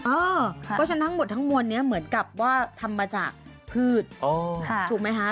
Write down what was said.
เพราะฉะนั้นทั้งหมดทั้งมวลนี้เหมือนกับว่าทำมาจากพืชถูกไหมคะ